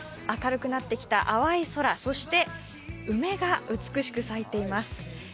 明るくなってきた淡い空、そして梅が美しく咲いています。